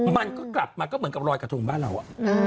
มันก็กลับมาก็เหมือนกับรอยกระทงบ้านเรา